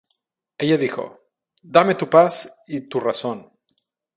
Ella dijo: ¡Dame tu paz y tu razón!